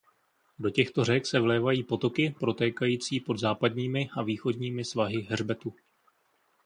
Do těchto řek se vlévají potoky protékající pod západními a východními svahy hřbetu.